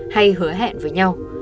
hay hứa hẹn với nhau